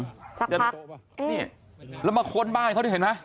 สักครั้งนี่แล้วมาค้นบ้านเขาได้เห็นมั้ย